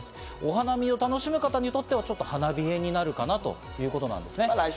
お花見を楽しむ方にとってはちょっと花冷えになるかなというところですね。